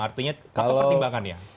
artinya apa pertimbangannya